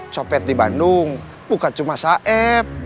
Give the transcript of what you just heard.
copet di bandung bukan cuma saeb